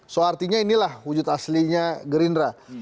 so artinya inilah wujud aslinya gerindra